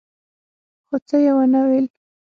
خو څه يې ونه ويل.